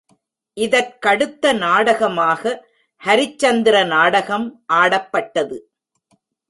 இதற்கடுத்த நாடகமாக ஹரிச்சந்திர நாடகம் ஆடப்பட்டது.